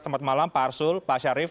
selamat malam pak arsul pak syarif